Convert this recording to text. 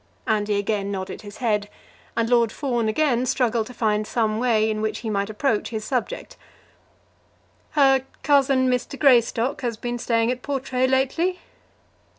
Andy again nodded his head, and Lord Fawn again struggled to find some way in which he might approach his subject. "Her cousin, Mr. Greystock, has been staying at Portray lately?"